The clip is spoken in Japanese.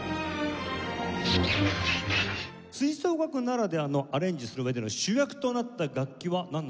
吹奏楽ならではのアレンジする上での主役となった楽器はなんなんでしょうか？